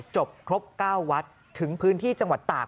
จบครบ๙วัดถึงพื้นที่จังหวัดตาก